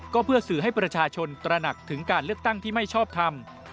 ก็เพื่อสื่อให้ประชาชนตระหนักถึงการเลือกตั้งที่ไม่ชอบทำ